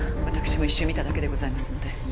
私も一瞬見ただけでございますので。